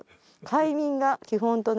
「快眠が基本となる」。